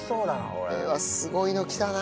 これはすごいのきたな。